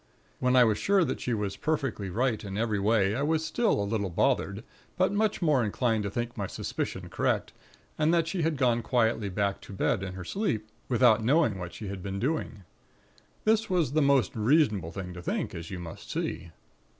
"When I was sure that she was perfectly right in every way, I was still a little bothered; but much more inclined to think my suspicion correct and that she had gone quietly back to bed in her sleep, without knowing what she had been doing. This was the most reasonable thing to think, as you must see.